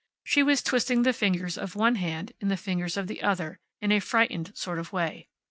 She was twisting the fingers of one hand in the fingers of the other, in a frightened sort of way.